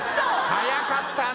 早かったね。